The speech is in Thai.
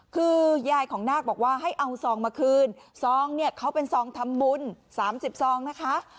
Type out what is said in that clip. คือย่ายของนากษ์บอกว่าให้เอาสองมาคืนสองเขาเป็นสองทำบุญ๓๐สองนะคะ